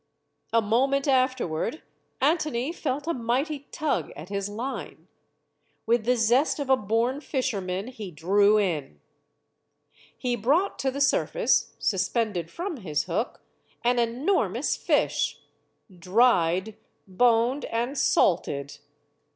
A moment afterward Antony felt a mighty tug at his line. With the zest of a born fisherman, he "drew in." He brought to the surface, suspended from his hook, an enormous fish dried, boned, and salted!